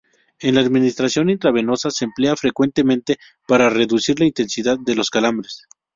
En administración intravenosa se emplea frecuentemente para reducir la intensidad de los calambres.